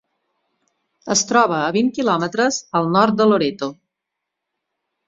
Es troba a vint quilòmetres al nord de Loreto.